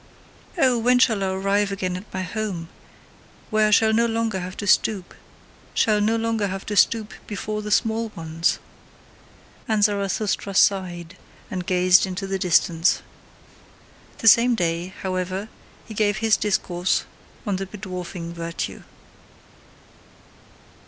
Oh, when shall I arrive again at my home, where I shall no longer have to stoop shall no longer have to stoop BEFORE THE SMALL ONES!" And Zarathustra sighed, and gazed into the distance. The same day, however, he gave his discourse on the bedwarfing virtue.